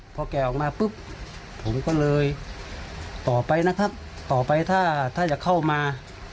พอแกออกมาปุ๊บผมก็เลยต่อไปนะครับต่อไปถ้าถ้าจะเข้ามา